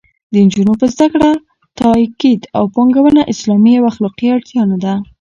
د نجونو په زده کړه تاکید او پانګونه اسلامي او اخلاقي اړتیا نه ده